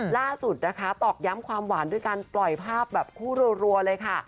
ล่าสุดนะคะตอกย้ำความหวานด้วยการปล่อยภาพแบบคู่รัวเลยค่ะ